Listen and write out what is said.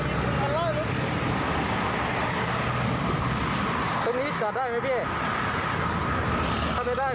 ชมข่าวนี้ให้ไปวันนี้อุปกรณ์เป็นอะไร